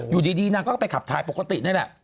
อยู่ดีนางก็ไปขับถ่ายปกตินี่แหละ